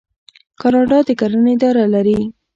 کاناډا د کرنې اداره لري.